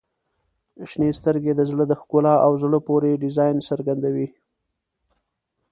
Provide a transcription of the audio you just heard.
• شنې سترګې د زړه د ښکلا او زړه پورې ډیزاین څرګندوي.